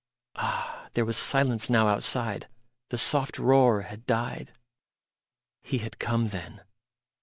Ah! there was silence now outside; the soft roar had died. He had come then.